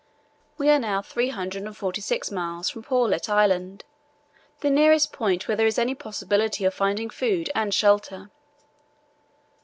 We are now 346 miles from Paulet Island, the nearest point where there is any possibility of finding food and shelter.